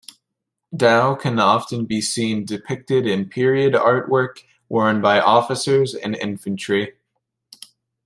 Dao can often be seen depicted in period artwork worn by officers and infantry.